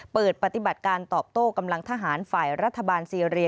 เปิดปฏิบัติการตอบโต้กำลังทหารฝ่ายรัฐบาลซีเรีย